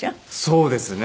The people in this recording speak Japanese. そうですね。